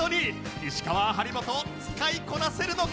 石川張本使いこなせるのか？